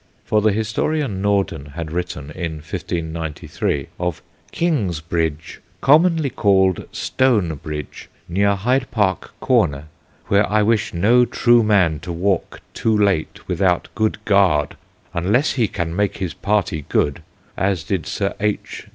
For the historian Norden had written in 1593, of * Kinges bridge, commonly called Stonebridge, near Hyde Park Corner, where I wish no true man to walke too late without good garde, unles he can make his partie good, as did Sir H.